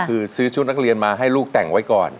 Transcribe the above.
คือซื้อชุดนักเรียนมาให้ลูกแต่งไว้ก่อน